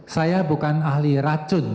saya bukan ahli racun